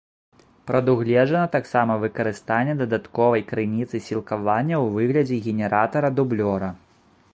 Прадугледжана таксама выкарыстанне дадатковай крыніцы сілкавання ў выглядзе генератара-дублёра.